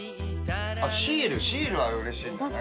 シールシールはうれしいんじゃない？